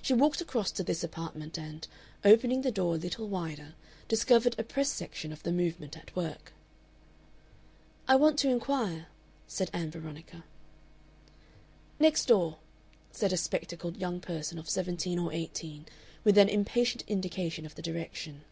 She walked across to this apartment and, opening the door a little wider, discovered a press section of the movement at work. "I want to inquire," said Ann Veronica. "Next door," said a spectacled young person of seventeen or eighteen, with an impatient indication of the direction.